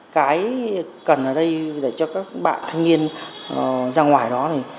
cái cần ở đây để cho các bạn thanh niên ra ngoài đó thì